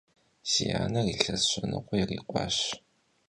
Si aner yilhes şenıkhue yirikhuaş.